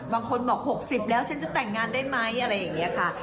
บางคนบอก๖๐แล้วฉันจะแต่งงานได้ไหมอะไรอย่างนี้ค่ะ